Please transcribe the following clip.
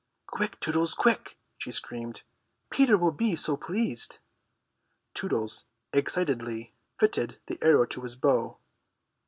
"Quick, Tootles, quick," she screamed. "Peter will be so pleased." Tootles excitedly fitted the arrow to his bow.